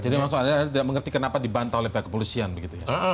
jadi maksudnya tidak mengerti kenapa dibantah oleh pihak kepolisian begitu ya